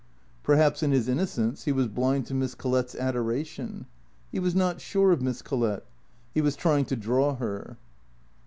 Perhaps in his innocence he was blind to Miss Collett's adoration. He was not sure of Miss Collett. He was trying to draw her.